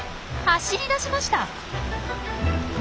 走り出しました！